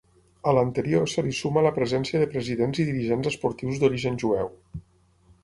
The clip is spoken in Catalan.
A l'anterior se li suma la presència de presidents i dirigents esportius d'origen jueu.